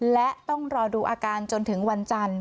และต้องรอดูอาการจนถึงวันจันทร์